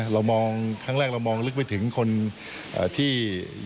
เรามองครั้งแรกเรามองลึกไปถึงคนที่